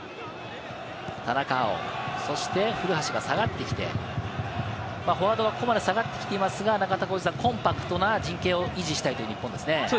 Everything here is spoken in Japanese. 田中碧、そして古橋が下がってきて、ファワードがここまで下がってきていますが、コンパクトな陣形を維持したいという日本ですね。